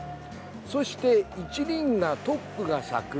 そして、一輪がトップが咲く。